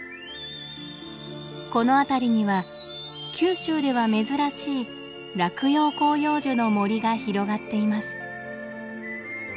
この辺りには九州では珍しい落葉広葉樹の森が広がっています。